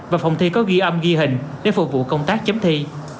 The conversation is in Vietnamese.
và phòng thi có ghi âm ghi hình để phục vụ công tác chấm thi